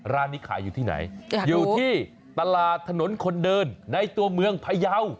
ร้านนี้ขายอยู่ที่ไหนอยู่ที่ตลาดถนนคนเดินในตัวเมืองพยาว